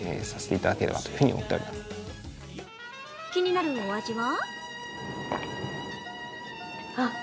気になるお味は？